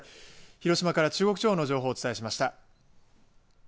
広島から中国地方の情報をお伝えしました。